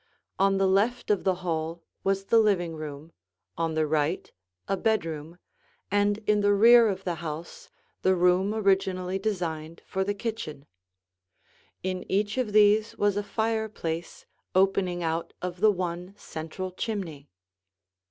On the left of the hall was the living room, on the right a bedroom, and in the rear of the house the room originally designed for the kitchen; in each of these was a fireplace opening out of the one central chimney.